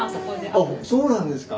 あそうなんですか。